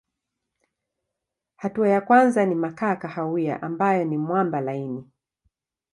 Hatua ya kwanza ni makaa kahawia ambayo ni mwamba laini.